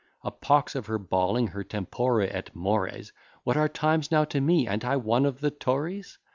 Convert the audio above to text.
A pox of her bawling, her tempora et mores! What are times now to me; a'nt I one of the Tories?